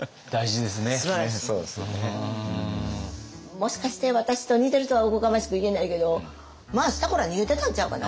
もしかして私と似てるとはおこがましく言えないけどまあスタコラ逃げてたんちゃうかな。